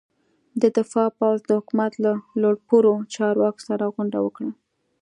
د دفاع پوځ د حکومت له لوړ پوړو چارواکو سره غونډه وکړه.